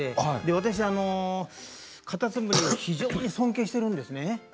私はかたつむりを非常に尊敬しているんですね。